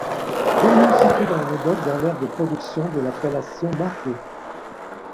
Commune située dans le Médoc dans l'aire de production de l'appellation margaux.